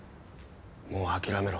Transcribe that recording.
もう諦めろ。